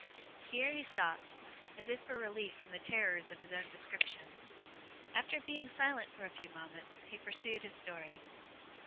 Here he stopped, as if for relief from the terrors of his own description. After being silent for a few moments, he pursued his story.